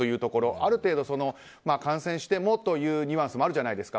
ある程度、感染してもというニュアンスもあるじゃないですか。